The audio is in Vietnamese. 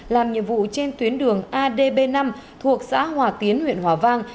làm nhiệm vụ trên tuyến đường adb năm thuộc xã hòa tiến huyện hòa vang